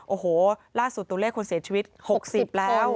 โอ้โหล่าสุดตัวเลขคนเสียชีวิต๖๐แล้ว